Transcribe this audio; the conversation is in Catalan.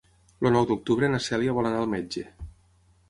El nou d'octubre na Cèlia vol anar al metge.